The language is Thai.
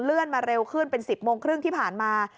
มาเร็วขึ้นเป็น๑๐โมงครึ่งที่ผ่านมา